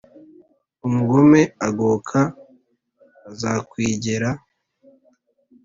umugome agoka azakwigera.